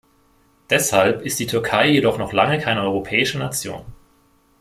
Deshalb ist die Türkei jedoch noch lange keine europäische Nation.